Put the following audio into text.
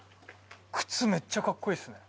靴めっちゃカッコいいっすね。